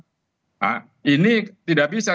nah ini tidak bisa